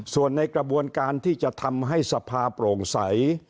ส่วนในกระบวนการที่จะทำให้สภาโปร่งใส